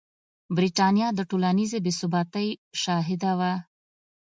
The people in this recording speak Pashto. برېټانیا د ټولنیزې بې ثباتۍ شاهده وه.